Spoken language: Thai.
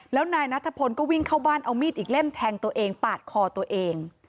แล้วนายนัทพลก็วิ่งเข้าบ้านเอามีดอีกเล่มแทงตัวเองปาดคอตัวเอง